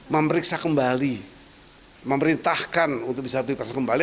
memperiksa kembali memerintahkan untuk bisa diperiksa kembali